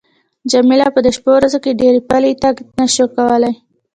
جميله په دې شپو ورځو کې ډېر پلی تګ نه شوای کولای.